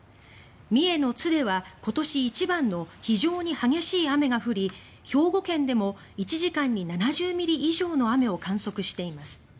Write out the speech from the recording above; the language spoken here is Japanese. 三重の津では今年一番の非常に激しい雨が降り兵庫県でも１時間に７０ミリ以上の雨を観測しています。